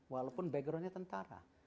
walaupun backgroundnya tentara